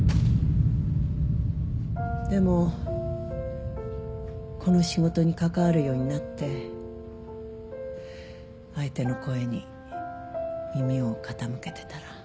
でもこの仕事に関わるようになって相手の声に耳を傾けてたら。